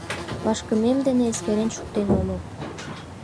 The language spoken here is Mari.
Вашкымем дене эскерен шуктен омыл.